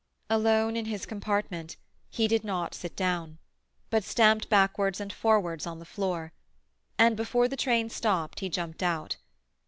Alone in his compartment, he did not sit down, but stamped backwards and forwards on the floor, and before the train stopped he jumped out.